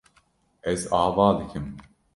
Ez ava dikim.